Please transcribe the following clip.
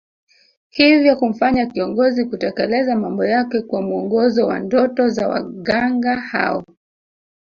Hivyo kumfanya kiongozi kutekeleza mambo yake kwa mwongozo wa ndoto za waganga hao